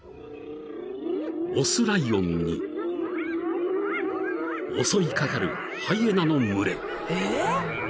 ［雄ライオンに襲い掛かるハイエナの群れ］